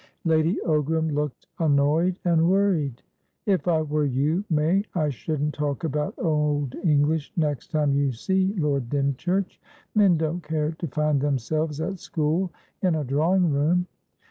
Lady Ogram looked annoyed and worried. "If I were you, May, I shouldn't talk about Old English next time you see Lord Dymchurch. Men don't care to find themselves at school in a drawing room."